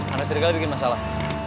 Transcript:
anak serigala bikin masalah